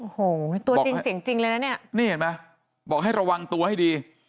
โอ้โหตัวจริงเสียงจริงเลยนะเนี่ยนี่เห็นไหมบอกให้ระวังตัวให้ดี